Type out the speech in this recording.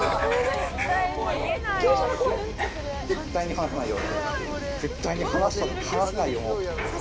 絶対に離せないよ